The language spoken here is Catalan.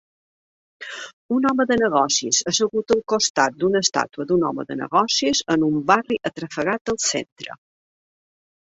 Un home de negocis assegut al costat d'una estàtua d'un home de negocis en un barri atrafegat del centre.